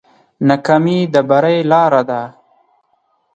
ناکامي د بری لاره ده.